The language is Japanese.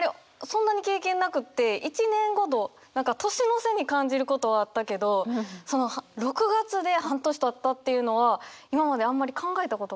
１年ごと何か年の瀬に感じることはあったけどその６月で半年たったっていうのは今まであんまり考えたことがなかった。